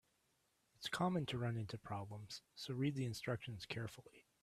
It's common to run into problems, so read the instructions carefully.